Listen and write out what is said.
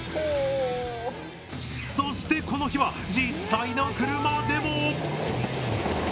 そしてこの日は実際の車でも！